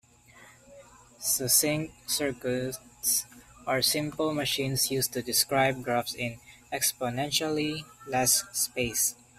Succinct circuits are simple machines used to describe graphs in exponentially less space.